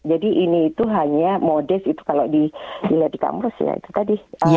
jadi ini itu hanya modus itu kalau dilihat di kamar sih ya itu tadi